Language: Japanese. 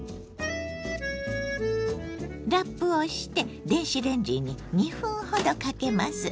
ラップをして電子レンジに２分ほどかけます。